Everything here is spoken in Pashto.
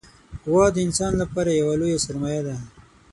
غوا د انسان لپاره یوه لویه سرمایه ده.